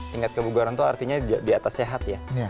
tingkat kebugaran itu artinya di atas sehat ya